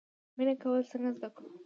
مینه کول څنګه زده کړو؟